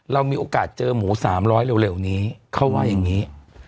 เรามีโอกาสเจอหมู๓๐๐เร็วนี้เขาว่าอย่างนี้